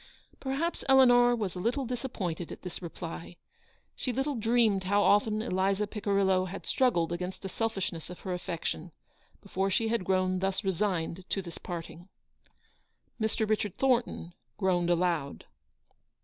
221 Perhaps Eleanor was a little disappointed at this reply. She little dreamed how often Eliza Picirillo had struggled against the selfishness of her affection, before she had grown thus resigned to this parting. Mr. Richard Thornton groaned aloud.